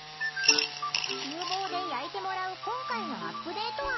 ちゅう房で焼いてもらう今回のアップデート案。